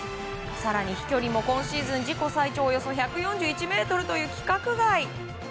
更に飛距離も今シーズン自己最長のおよそ１４１ｍと規格外。